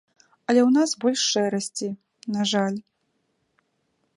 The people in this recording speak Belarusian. Але ў нас больш шэрасці, на жаль.